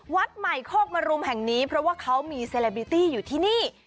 วัดใหม่โคกมรุมแห่งนี้เพราะว่าเขามีเซเลบิตี้อยู่ที่นี่